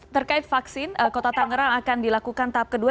terkait vaksin kota tangerang akan dilakukan tahap kedua